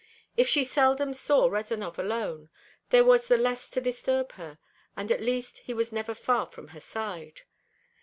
If she seldom saw Rezanov alone there was the less to disturb her, and at least he was never far from her side.